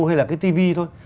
hay là cái tivi thôi